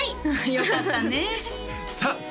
よかったねさあ角